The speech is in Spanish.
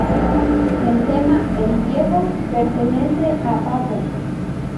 El tema "El Viejo" pertenece a Pappo.